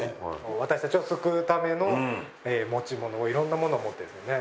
私たちを救うための持ち物をいろんなものを持ってるんですよね。